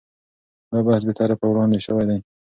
دا بحث بې طرفه وړاندې شوی دی.